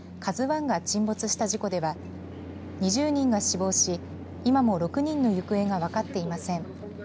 ＫＡＺＵＩが沈没した事故では２０人が死亡し今も６人の行方が分かっていません。